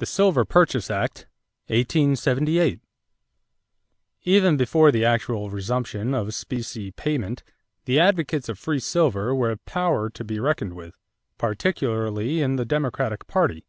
=The Silver Purchase Act (1878).= Even before the actual resumption of specie payment, the advocates of free silver were a power to be reckoned with, particularly in the Democratic party.